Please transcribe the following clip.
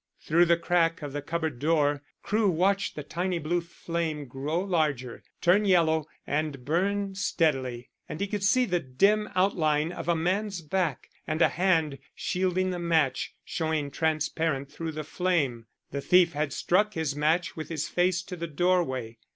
Through the crack of the cupboard door Crewe watched the tiny blue flame grow larger, turn yellow, and burn steadily, and he could see the dim outline of a man's back and a hand shielding the match showing transparent through the flame. The thief had struck his match with his face to the doorway.